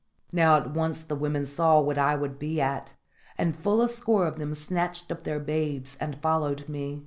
Now at once the women saw what I would be at, and full a score of them snatched up their babes and followed me.